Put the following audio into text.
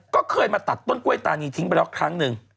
ก็เคยมาตัดต้นกล้วยตานีทิ้งไปแล้วครั้งหนึ่ง